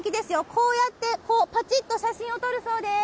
こうやって、こう、ぱちっと写真を撮るそうです。